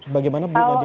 bagaimana bu nadia